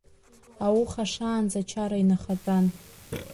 Ауха шаанӡа ачара инахатәан…